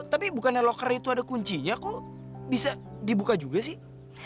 tapi bukannya loker itu ada kuncinya kok bisa dibuka juga sih